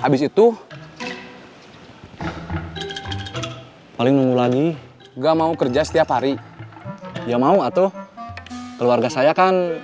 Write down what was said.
habis itu paling nunggu lagi gak mau kerja setiap hari ya mau atau keluarga saya kan